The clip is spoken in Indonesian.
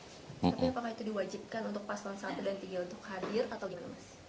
tapi apakah itu diwajibkan untuk paslon satu dan tiga untuk hadir atau gimana mas